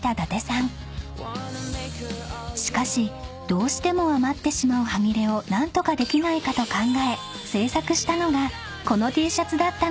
［しかしどうしても余ってしまう端切れを何とかできないかと考え制作したのがこのＴシャツだったのです］